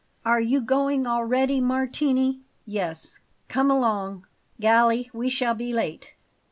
Are you going already, Martini?" "Yes. Come along, Galli; we shall be late."